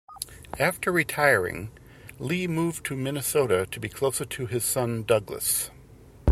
After retiring, Lee moved to Minnesota to be closer to his son Douglas.